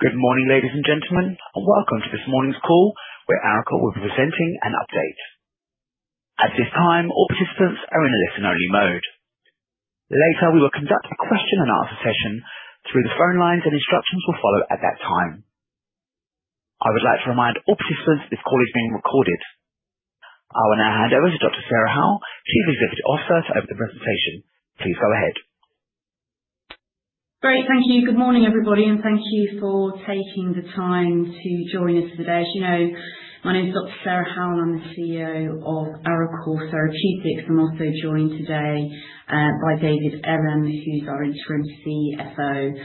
Good morning, ladies and gentlemen, and welcome to this morning's call where Arecor will be presenting an update. At this time, all participants are in a listen-only mode. Later, we will conduct a question-and-answer session through the phone lines, and instructions will follow at that time. I would like to remind all participants this call is being recorded. I will now hand over to Dr. Sarah Howell, Chief Executive Officer, to open the presentation. Please go ahead. Great. Thank you. Good morning, everybody, and thank you for taking the time to join us today. As you know, my name's Dr. Sarah Howell, and I'm the CEO of Arecor Therapeutics. I'm also joined today by David Ellam, who's our interim CFO.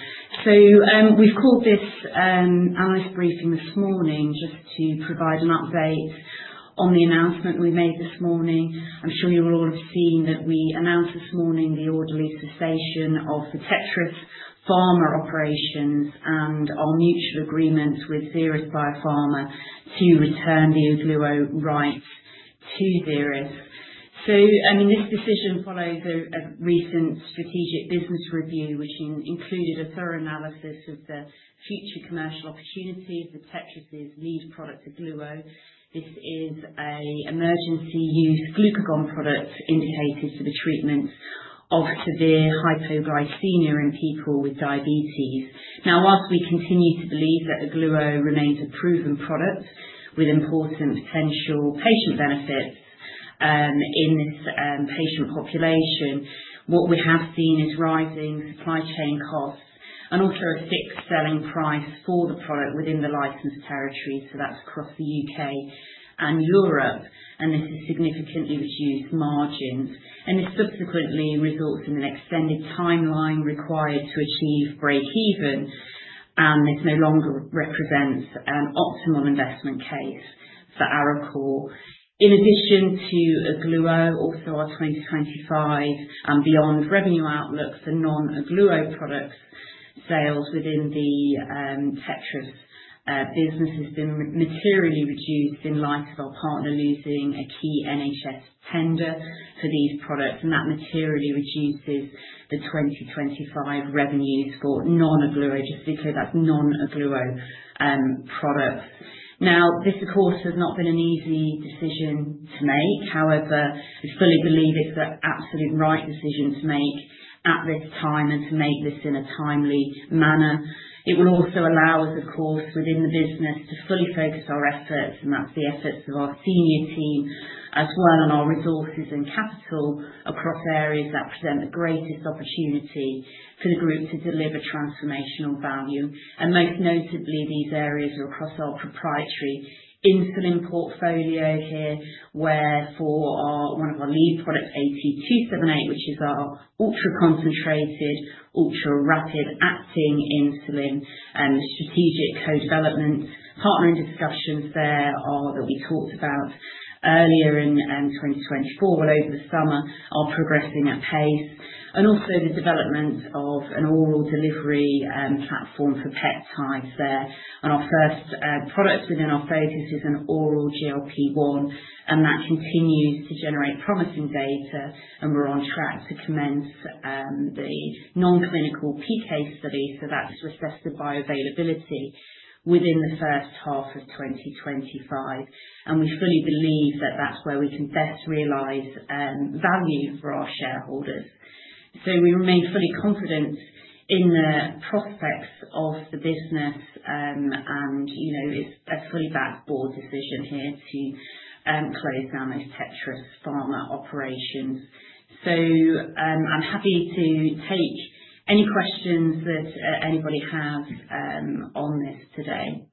So we've called this analyst briefing this morning just to provide an update on the announcement we made this morning. I'm sure you will all have seen that we announced this morning the orderly cessation of the Tetris Pharma operations and our mutual agreement with Xeris Biopharma to return the Ogluo rights to Xeris. So, I mean, this decision follows a recent strategic business review, which included a thorough analysis of the future commercial opportunity of the Tetris's lead product, Ogluo. This is an emergency use glucagon product indicated for the treatment of severe hypoglycemia in people with diabetes. Now, while we continue to believe that Ogluo remains a proven product with important potential patient benefits in this patient population, what we have seen is rising supply chain costs and also a fixed selling price for the product within the licensed territories. So that's across the U.K. and Europe, and this has significantly reduced margins. And this subsequently results in an extended timeline required to achieve break-even, and this no longer represents an optimal investment case for Arecor. In addition to Ogluo, also our 2025 and beyond revenue outlook for non-Ogluo products sales within the Tetris business has been materially reduced in light of our partner losing a key NHS tender for these products, and that materially reduces the 2025 revenues for non-Ogluo, just to be clear, that's non-Ogluo products. Now, this, of course, has not been an easy decision to make. However, we fully believe it's the absolute right decision to make at this time and to make this in a timely manner. It will also allow us, of course, within the business, to fully focus our efforts, and that's the efforts of our senior team as well, and our resources and capital across areas that present the greatest opportunity for the group to deliver transformational value, and most notably, these areas are across our proprietary insulin portfolio here, where for one of our lead products, AT278, which is our ultra-concentrated, ultra-rapid-acting insulin, and the strategic co-development partnering discussions there that we talked about earlier in 2024, well, over the summer, are progressing at pace, and also the development of an oral delivery platform for peptides there. Our first product within our focus is an oral GLP-1, and that continues to generate promising data, and we're on track to commence the non-clinical PK study. So that's to assess the bioavailability within the first half of 2025. We fully believe that that's where we can best realize value for our shareholders. We remain fully confident in the prospects of the business, and it's a fully board-backed decision here to close down those Tetris Pharma operations. I'm happy to take any questions that anybody has on this today.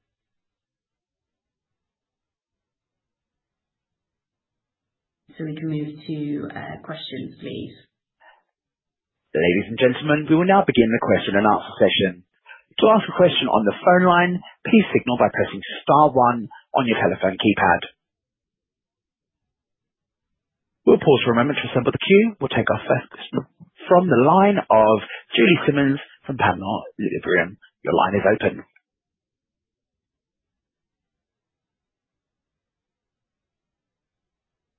We can move to questions, please. Ladies and gentlemen, we will now begin the question and answer session. To ask a question on the phone line, please signal by pressing star one on your telephone keypad. We'll pause for a moment to assemble the queue. We'll take our first question from the line of Julie Simmonds from Panmure Liberum. Your line is open.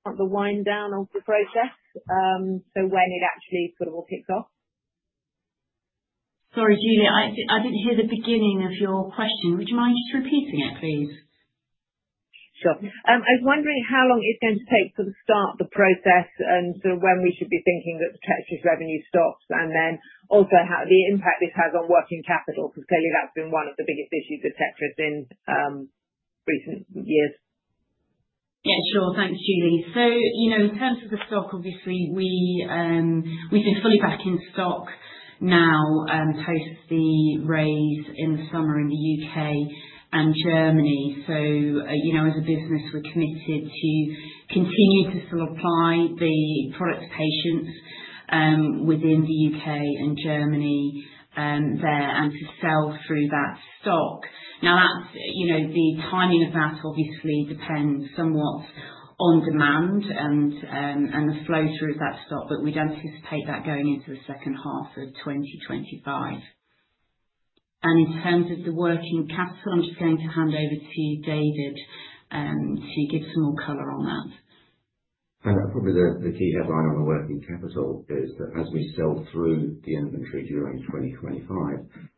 The wind down of the process, so when it actually sort of all kicks off? Sorry, Julie, I didn't hear the beginning of your question. Would you mind just repeating it, please? Sure. I was wondering how long it's going to take to start the process and sort of when we should be thinking that the Tetris revenue stops, and then also the impact this has on working capital, because clearly that's been one of the biggest issues with Tetris in recent years. Yeah, sure. Thanks, Julie. So in terms of the stock, obviously, we've been fully back in stock now post the raise in the summer in the U.K. and Germany. So as a business, we're committed to continue to supply the product to patients within the U.K. and Germany there and to sell-through that stock. Now, the timing of that obviously depends somewhat on demand and the flow through of that stock, but we'd anticipate that going into the second half of 2025, and in terms of the working capital, I'm just going to hand over to David to give some more color on that. And probably the key headline on the working capital is that as we sell-through the inventory during 2025,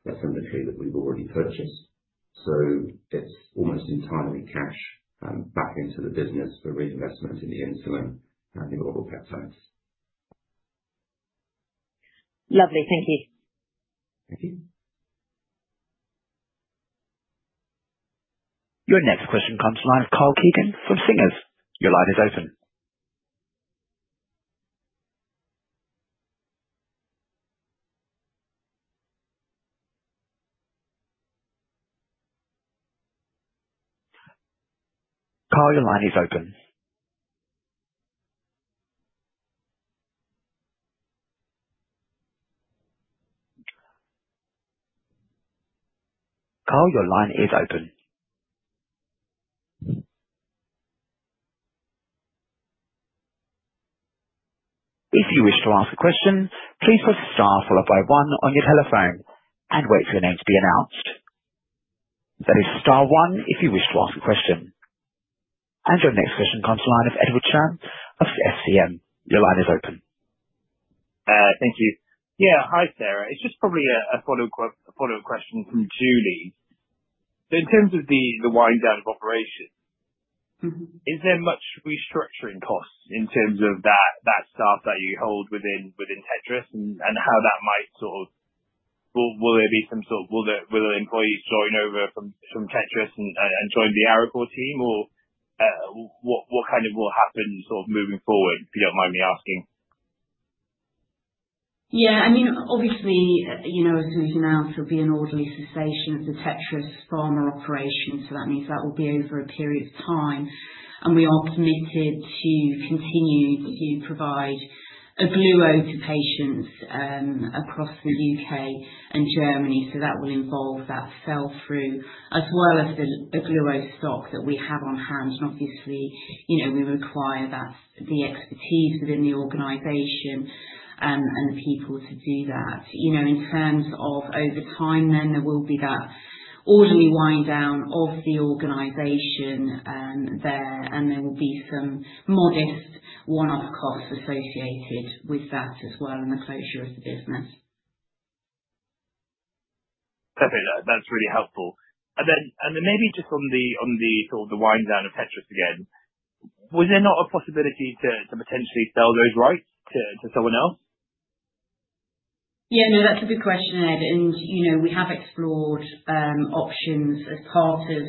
that's inventory that we've already purchased. So it's almost entirely cash back into the business for reinvestment in the insulin and the oral peptides. Lovely. Thank you. Thank you. Your next question comes live from Karl Keegan from Singers. Your line is open. Carl, your line is open. Carl, your line is open. If you wish to ask a question, please press star followed by one on your telephone and wait for your name to be announced. That is star one if you wish to ask a question. And your next question comes to the line of Edward Chan of SCM. Your line is open. Thank you. Yeah. Hi, Sarah. It's just probably a follow-up question from Julie. So in terms of the wind down of operations, is there much restructuring costs in terms of that staff that you hold within Tetris and how that might sort of will there be some sort of will the employees join over from Tetris and join the Arecor team, or what kind of will happen sort of moving forward, if you don't mind me asking? Yeah. I mean, obviously, as we've announced, there'll be an orderly cessation of the Tetris Pharma operation. So that means that will be over a period of time. And we are committed to continue to provide Ogluo to patients across the UK and Germany. So that will involve that sell-through as well as the Ogluo stock that we have on hand. And obviously, we require the expertise within the organization and the people to do that. In terms of over time, then there will be that orderly wind down of the organization there, and there will be some modest one-off costs associated with that as well in the closure of the business. Perfect. That's really helpful. And then maybe just on the sort of wind down of Tetris again, was there not a possibility to potentially sell those rights to someone else? Yeah. No, that's a good question, Ed, and we have explored options as part of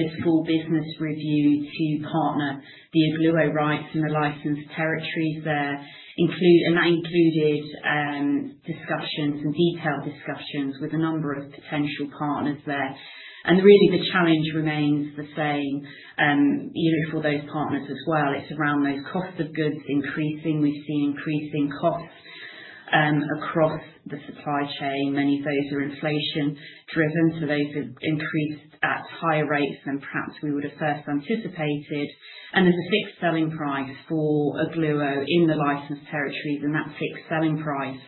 this full business review to partner the Ogluo rights in the licensed territories there, and that included discussions and detailed discussions with a number of potential partners there, and really, the challenge remains the same for those partners as well. It's around those costs of goods increasing. We've seen increasing costs across the supply chain. Many of those are inflation-driven, so those have increased at higher rates than perhaps we would have first anticipated, and there's a fixed selling price for Ogluo in the licensed territories, and that fixed selling price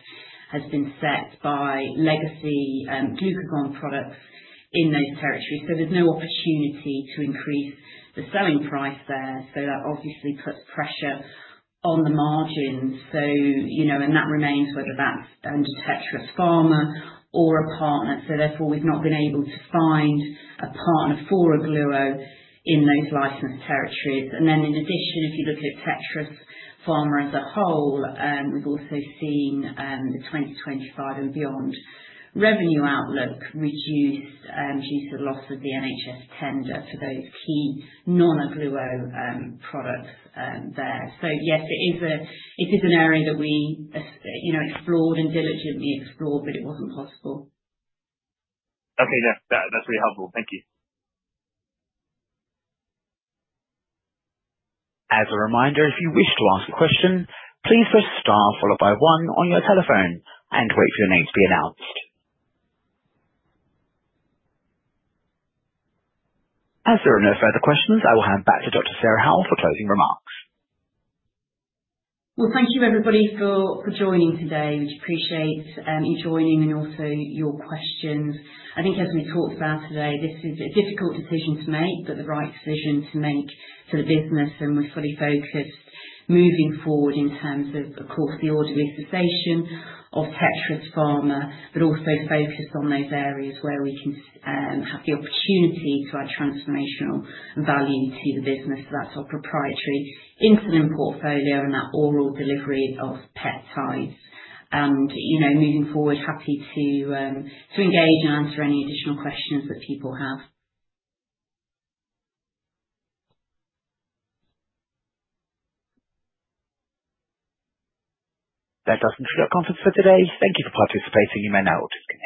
has been set by legacy glucagon products in those territories, so there's no opportunity to increase the selling price there, so that obviously puts pressure on the margins, and that remains whether that's under Tetris Pharma or a partner. So therefore, we've not been able to find a partner for Ogluo in those licensed territories. And then in addition, if you look at Tetris Pharma as a whole, we've also seen the 2025 and beyond revenue outlook reduced due to the loss of the NHS tender for those key non-Ogluo products there. So yes, it is an area that we explored and diligently explored, but it wasn't possible. Okay. No, that's really helpful. Thank you. As a reminder, if you wish to ask a question, please press star followed by one on your telephone and wait for your name to be announced. As there are no further questions, I will hand back to Dr. Sarah Howell for closing remarks. Thank you, everybody, for joining today. We appreciate you joining and also your questions. I think as we talked about today, this is a difficult decision to make, but the right decision to make to the business. We're fully focused moving forward in terms of, of course, the orderly cessation of Tetris Pharma, but also focused on those areas where we can have the opportunity to add transformational value to the business. That's our proprietary insulin portfolio and that oral delivery of peptides. Moving forward, happy to engage and answer any additional questions that people have. That does conclude our conference for today. Thank you for participating. You may now disconnect.